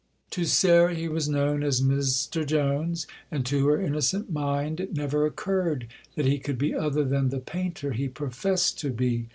To Sarah he was known as "Mr Jones"; and to her innocent mind it never occurred that he could be other than the painter he professed to be.